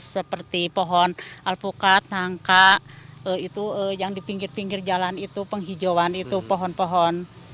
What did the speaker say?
seperti pohon alpukat nangka itu yang di pinggir pinggir jalan itu penghijauan itu pohon pohon